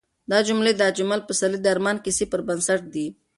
دا جملې د اجمل پسرلي د ارمان کیسې پر بنسټ دي.